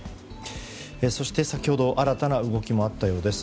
そして、先ほど新たな動きもあったようです。